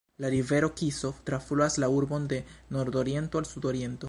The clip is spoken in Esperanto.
La rivero Kiso trafluas la urbon de nordoriento al sudoriento.